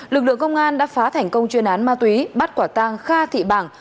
lực lượng công an đã phá thành công chuyên án ma túy bắt quả tang kha thị bảng